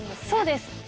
そうです。